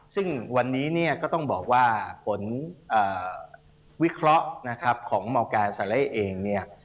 ซึ่งวันนี้ก็ต้องบอกว่าผลวิเคราะห์ของมสเอง